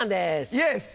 イエス！